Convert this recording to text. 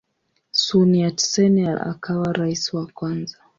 Sun Yat-sen akawa rais wa kwanza.